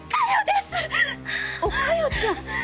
お加代ちゃん